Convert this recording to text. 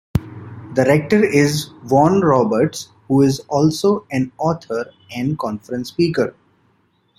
The rector is Vaughan Roberts who is also an author and conference speaker.